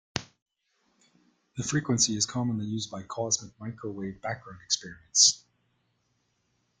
The frequency is commonly used by cosmic microwave background experiments.